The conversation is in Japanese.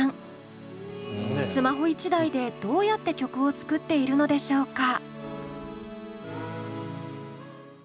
スマホ１台でどうやって曲を作っているのでしょうか？